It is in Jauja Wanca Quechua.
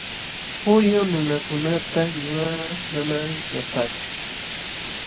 Huyu nunakunata ñuqaqa manam yalpaachu.